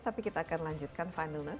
tapi kita akan lanjutkan final nos